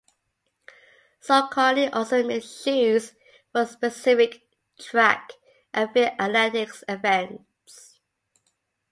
Saucony also makes shoes for specific track and field athletics events.